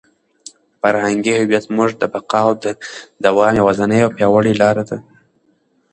فرهنګي هویت زموږ د بقا او د دوام یوازینۍ او پیاوړې لاره ده.